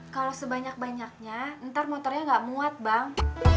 kalau sebanyak banyaknya ntar motornya gak muat bang